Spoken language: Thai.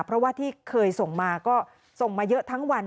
เพราะว่าที่เคยส่งมาก็ส่งมาเยอะทั้งวัน